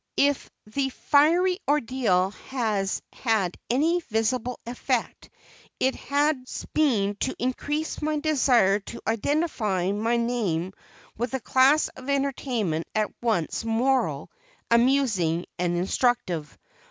If the fiery ordeal has had any visible effect, it has been to increase my desire to identify my name with a class of entertainments at once moral, amusing and instructive.